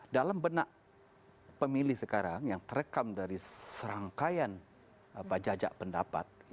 dalam benak pemilih sekarang yang terekam dari serangkaian jajak pendapat